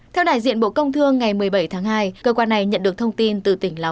các bạn hãy đăng ký kênh để ủng hộ kênh của chúng mình nhé